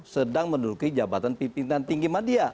sedang menduduki jabatan pimpinan tinggi media